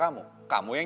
kamu harus pulang